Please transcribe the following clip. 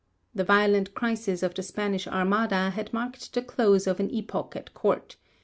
The violent crisis of the Spanish Armada had marked the close of an epoch at Court.